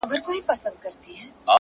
انسان د خپل کردار استازی دی!